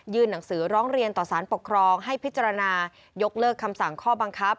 หนังสือร้องเรียนต่อสารปกครองให้พิจารณายกเลิกคำสั่งข้อบังคับ